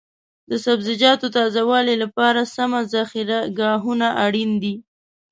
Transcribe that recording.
د سبزیجاتو تازه والي لپاره سمه ذخیره ګاهونه اړین دي.